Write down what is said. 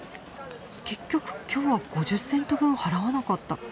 結局今日は５０セント分払わなかった。